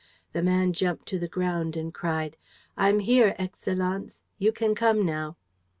The man jumped to the ground and cried: "I'm here, Excellenz. You can come now."